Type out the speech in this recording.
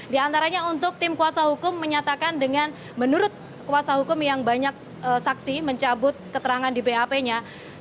di antaranya untuk tim kuasa hukum menyatakan dengan menurut kuasa hukum yang banyak saksi mencabut keterangan di bap nya